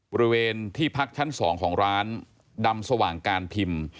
บริเวณที่พักชั้น๒ของร้านดำสว่างการพิมพ์